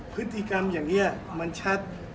พฤติกรรมอย่างนี้มันชัด